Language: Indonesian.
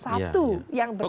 satu yang berkualitas